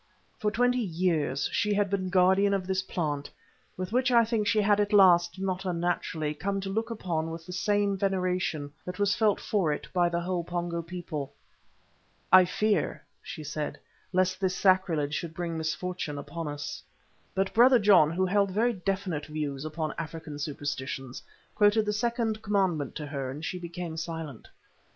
For twenty years she had been guardian of this plant, which I think she had at last not unnaturally come to look upon with some of the same veneration that was felt for it by the whole Pongo people. "I fear," she said, "lest this sacrilege should bring misfortune upon us." But Brother John, who held very definite views upon African superstitions, quoted the second commandment to her, and she became silent.